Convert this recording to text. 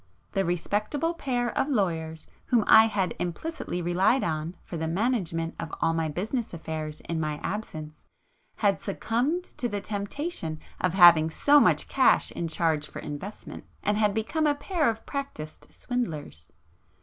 The respectable pair of lawyers whom I had implicitly relied on for the management of all my business affairs in my absence, had succumbed to the temptation of having so much cash in charge for investment,—and had become a pair of practised swindlers.